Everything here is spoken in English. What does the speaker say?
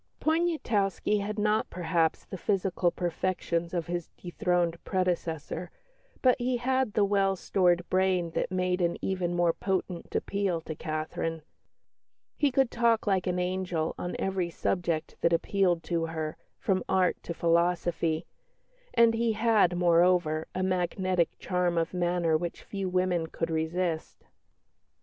Poniatowski had not perhaps the physical perfections of his dethroned predecessor, but he had the well stored brain that made an even more potent appeal to Catherine. He could talk "like an angel" on every subject that appealed to her, from art to philosophy; and he had, moreover, a magnetic charm of manner which few women could resist.